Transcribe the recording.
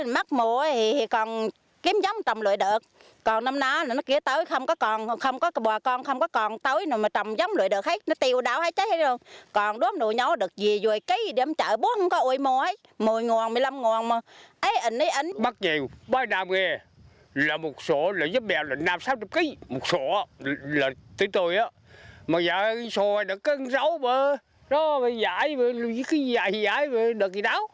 mà dạy xòi cân rấu dạy dạy dạy đợt gì đó